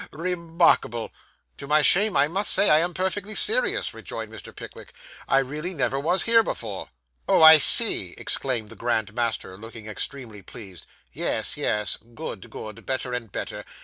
Re markable!' 'To my shame, I must say that I am perfectly serious,' rejoined Mr. Pickwick. 'I really never was here before.' 'Oh, I see,' exclaimed the Grand Master, looking extremely pleased; 'yes, yes good, good better and better.